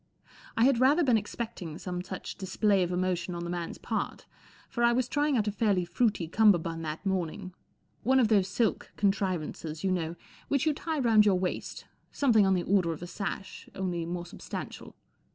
I had rather been expecting some such display of emotion on the man's part, for I was trying out a fairly fruity cummerbund that morning—one of those silk contrivances, you know, which you tie round your waist, something on the order of a sash, only more substantial.